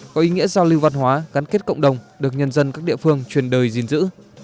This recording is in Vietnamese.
có ý nghĩa giao lưu văn hóa gắn kết cộng đồng được nhân dân các địa phương truyền đời gìn giữ